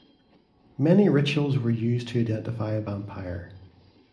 Many rituals were used to identify a vampire.